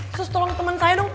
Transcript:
sus tolong temen saya dong